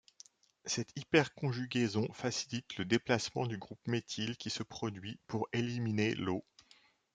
Cette hyperconjugaison facilite le déplacement du groupe méthyle qui se produit pour éliminer l'eau.